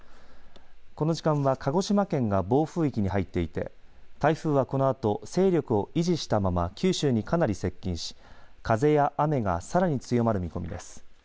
この時間は鹿児島県が暴風域に入っていて台風はこのあと勢力を維持したまま九州にかなり接近し風や雨がさらに強まる見込みです。